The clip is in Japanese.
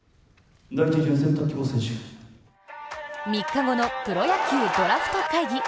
３日後のプロ野球ドラフト会議。